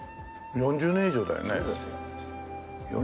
４０年以上だよね。